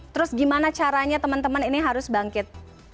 terus gimana caranya teman teman ini harus bangkit